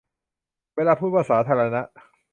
เวลาพูดว่า 'สาธารณะ'